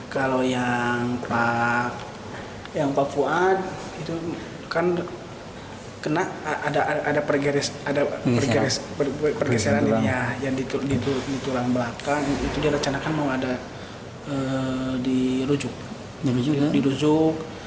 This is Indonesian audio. kalau yang pak fuad itu kan kena ada pergeseran ini ya yang diturang belakang itu dia rencanakan mau ada dirujuk